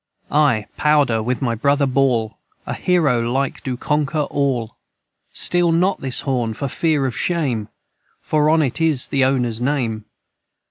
"I, powder, With My Brother Baul A Hero like do Conquer All. Steel not this Horn For Fear of Shame For on it is the Oners name.